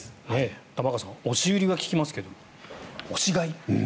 玉川さん押し売りは聞きますけど押し買い。